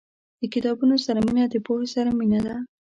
• د کتابونو سره مینه، د پوهې سره مینه ده.